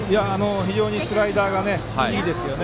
非常にスライダーがいいですね。